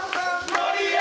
盛山！